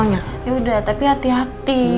yaudah tapi hati hati